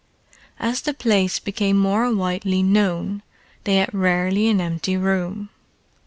As the place became more widely known they had rarely an empty room.